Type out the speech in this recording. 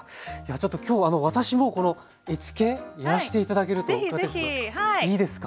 ちょっと今日私もこの絵付けやらして頂けるといいですか？